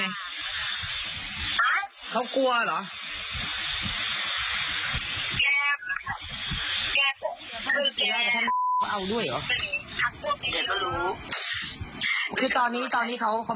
ใครจะไปเล่นแบบนี้ไม่สำคัญอ๋อ